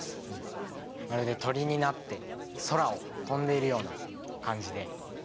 まるで鳥になって空を飛んでいるような感じで。